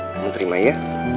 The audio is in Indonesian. kamu terima ya